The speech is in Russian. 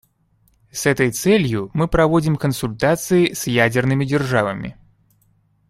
С этой целью мы проводим консультации с ядерными державами.